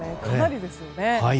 かなりですよね。